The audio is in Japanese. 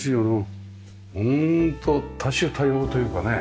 ホント多種多様というかね